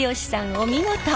お見事！